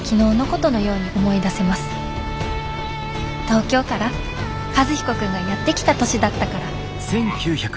東京から和彦君がやって来た年だったから。